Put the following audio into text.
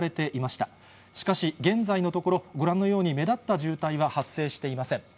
しかし、現在のところ、ご覧のように、目立った渋滞は発生していません。